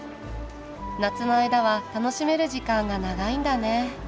夏の間は楽しめる時間が長いんだね。